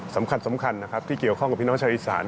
สำคัญนะครับที่เกี่ยวข้องกับพี่น้องชาวอีสาน